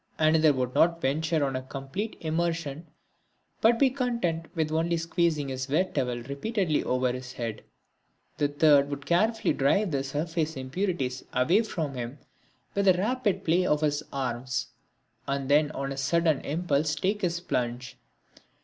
Another would not venture on a complete immersion but be content with only squeezing his wet towel repeatedly over his head. A third would carefully drive the surface impurities away from him with a rapid play of his arms, and then on a sudden impulse take his plunge.